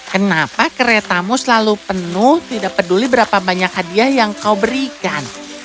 kenapa keretamu selalu penuh tidak peduli berapa banyak hadiah yang kau berikan